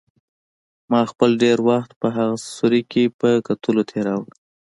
ما خپل ډېر وخت په هغه سوري کې په کتلو تېراوه.